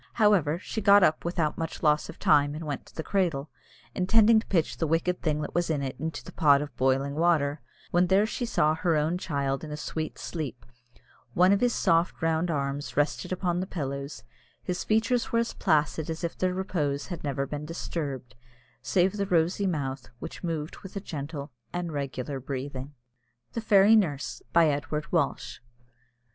However, she got up without much loss of time and went to the cradle, intending to pitch the wicked thing that was in it into the pot of boiling water, when there she saw her own child in a sweet sleep, one of his soft round arms rested upon the pillow his features were as placid as if their repose had never been disturbed, save the rosy mouth, which moved with a gentle and regular breathing. THE FAIRY NURSE. BY EDWARD WALSH.